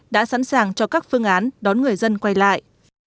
đã sẵn sàng cho các phương án đón người dân quay lại